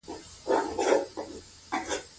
د زرګرۍ هنر د فلزاتو په تن کې د ښکلا ګاڼې جوړوي.